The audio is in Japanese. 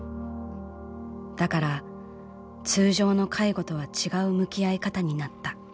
だから通常の介護とは違う向き合い方になった」。